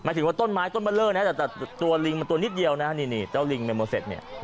หมายถึงว่าต้นม้ายต้นเบลอนะครับแต่ตัวลิงมันตัวนิดเดียวนะฮะนี่เจ้าลิงเมโมเซ็ทนะครับ